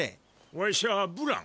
わしはブラン。